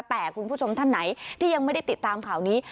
แต่คุณผู้ชมท่านไหนที่ยังไม่ได้ติดตามข่าวนี้